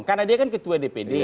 karena dia kan ketua dpd